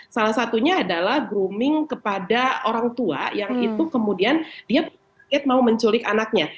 salah satunya adalah grooming kepada orang tua yang itu kemudian dia mau menculik anaknya